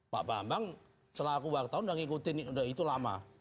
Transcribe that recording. pak bambang selaku waktu tahun sudah mengikuti itu lama